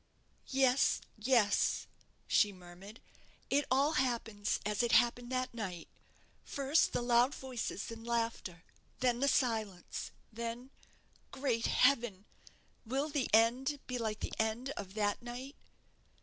"Yes, yes," she murmured; "it all happens as it happened that night first the loud voices and laughter; then the silence; then Great Heaven! will the end be like the end of that night?"